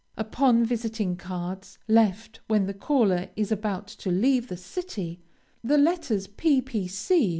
Upon visiting cards, left when the caller is about to leave the city, the letters _p. p. c.